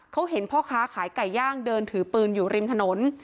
เขาเห็นพ่อค้าขายไก่ย่างเดินถือปืนอยู่ริมถนน